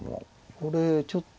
これちょっと。